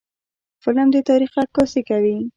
فلم د تاریخ عکاسي کوي